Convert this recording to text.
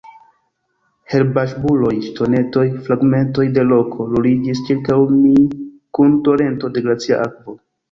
Herbaĵbuloj, ŝtonetoj, fragmentoj de roko ruliĝis ĉirkaŭ mi kun torento de glacia akvo.